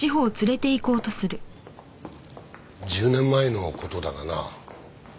１０年前の事だがな。